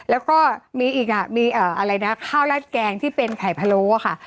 แล้วก็ไปอีกนะมีข้าวราชแกงที่เป็นไข่พะโละค่ะ